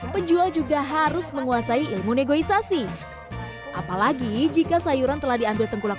penjual juga harus menguasai ilmu negosiasi apalagi jika sayuran telah diambil tengkulak